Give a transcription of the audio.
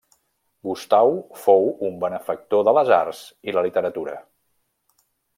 Gustau fou un benefactor de les arts i la literatura.